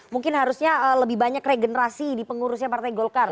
mungkin harusnya lebih banyak regenerasi di pengurusnya partai golkar